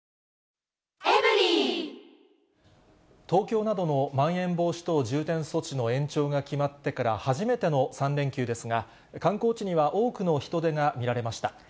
東京などのまん延防止等重点措置の延長が決まってから、初めての３連休ですが、観光地には多くの人出が見られました。